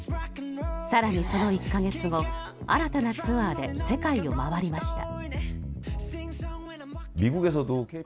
更に、その１か月後新たなツアーで世界を回りました。